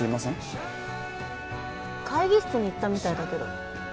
会議室に行ったみたいだけど。